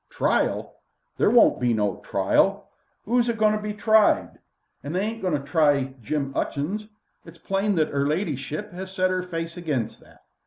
"Trial? There won't be no trial. 'Oo's a goin' to be tried? They ain't agoin' to try Jim 'Utchings. It's plain that 'er ladyship 'as set 'er face against that.